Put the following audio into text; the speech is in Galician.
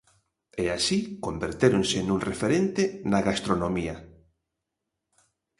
E así convertéronse nun referente na gastronomía.